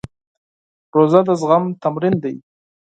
روژه د زغم تمرین دی.